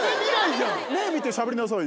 目見てしゃべりなさいよ。